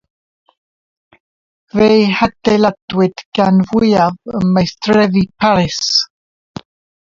Fe'u hadeiladwyd gan fwyaf ym maestrefi Paris.